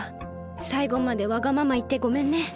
さいごまでわがままいってごめんね。